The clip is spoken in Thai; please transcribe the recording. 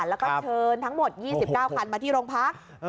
แล้วก็เชิญทั้งหมด๒๙คันมาที่โรงพัก